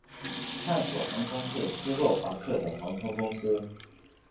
探索航空是斯洛伐克的航空公司。